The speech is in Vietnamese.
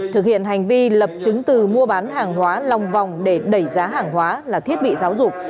thực hiện hành vi lập chứng từ mua bán hàng hóa lòng vòng để đẩy giá hàng hóa là thiết bị giáo dục